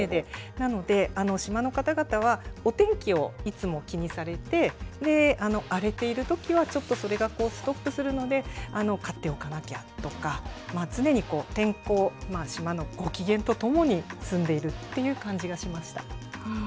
なので、島の方々はお天気をいつも気にされて、荒れているときはちょっとそれがストップするので、買っておかなきゃとか、常に天候、島のご機嫌とともに住んでいるという感じがしました。